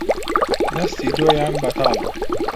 دەستی دۆیان بەتاڵە